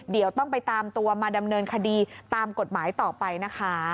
เดี๋ยวต้องไปตามตัวมาดำเนินคดีตามกฎหมายต่อไปนะคะ